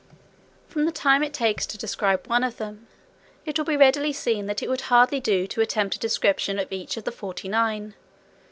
From the time it takes to describe one of them it will be readily seen that it would hardly do to attempt a description of each of the forty nine.